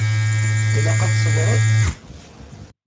Ilaq ad tṣebreḍ?